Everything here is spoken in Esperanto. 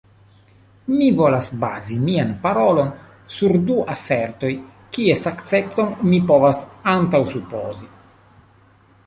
Mi volas bazi mian parolon sur du asertoj, kies akcepton mi povas antaŭsupozi.